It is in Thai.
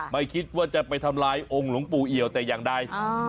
ไม่คิดว่าจะไปทำลายองค์หลวงปู่เอี่ยวแต่อย่างใด